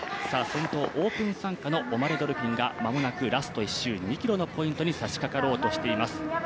先頭、オープン参加のオマレ・ドルフィンが間もなくラスト１周２ｋｍのポイントにさしかかろうとしています。